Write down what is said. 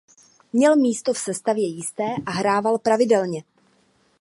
Měl místo v sestavě jisté a hrával pravidelně.